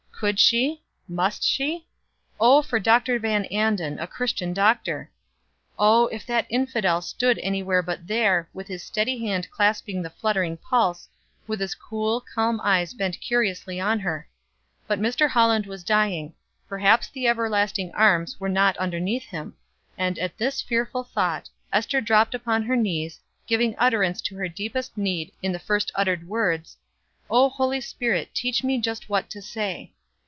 Could she? must she? Oh, for Dr. Van Anden a Christian doctor! Oh, if that infidel stood anywhere but there, with his steady hand clasping the fluttering pulse, with his cool, calm eyes bent curiously on her but Mr. Holland was dying; perhaps the everlasting arms were not underneath him and at this fearful thought, Ester dropped upon her knees, giving utterance to her deepest need in the first uttered words, "Oh, Holy Spirit, teach me just what to say!"